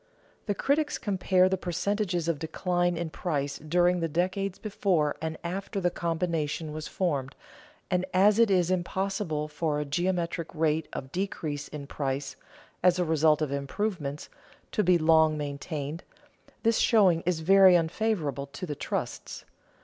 The critics compare the percentages of decline in price during the decades before and after the combination was formed, and as it is impossible for a geometric rate of decrease in price, as a result of improvements, to be long maintained, this showing is very unfavorable to the trusts.